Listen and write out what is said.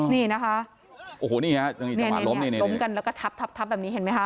นี่นะคะโอ้โหนี่ฮะนี่นี่จับขาล้มนี่นี่นี่ล้มกันแล้วก็ทับทับทับแบบนี้เห็นไหมฮะ